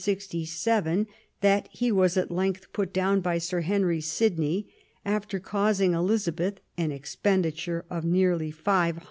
not till 1567 that he was at length put down by Sir Henry Sidney, ^fter causing Elizabeth an expendi ture of nearly £500,000.